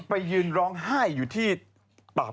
เพื่อลองฟังข่าว